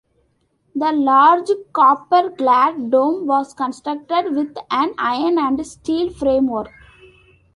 The large copper-clad dome was constructed with an iron and steel framework.